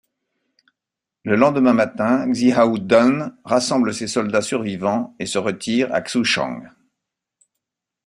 Le lendemain matin, Xiahou Dun rassemble ses soldats survivants et se retire à Xuchang.